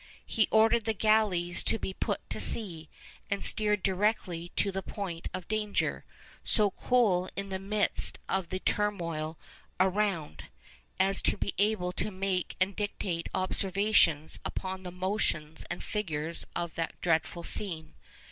He ordered the galleys to be put to sea, and steered directly to the point of danger, so cool in the midst of the turmoil around 'as to be able to make and dictate observations upon the motions and figures of that dreadful scene.